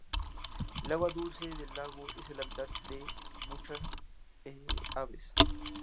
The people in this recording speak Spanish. El agua dulce del lago es el hábitat de muchas especies de aves.